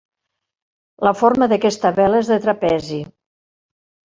La forma d'aquesta vela és de trapezi.